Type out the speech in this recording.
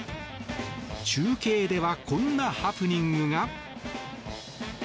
中継ではこんなハプニングが。